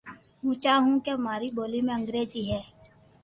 ھين چاھون ھون ڪو ماري ٻولي بو انگريزو